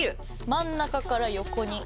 真ん中から横に。